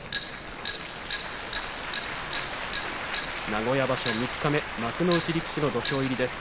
名古屋場所三日目幕内力士の土俵入りです。